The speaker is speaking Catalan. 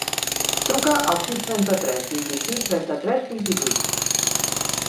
Truca al sis, trenta-tres, vint-i-cinc, trenta-tres, vint-i-vuit.